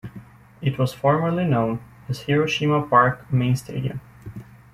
It was formerly known as Hiroshima Park Main Stadium.